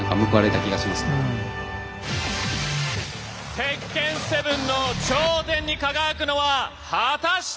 「鉄拳７」の頂点に輝くのは果たして！